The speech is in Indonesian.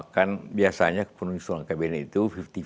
kan biasanya penulisan kabinet itu lima puluh lima puluh